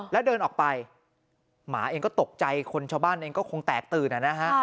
แล้วเดินออกไปหมาเองก็ตกใจคนชาวบ้านเองก็คงแตกตื่นนะฮะ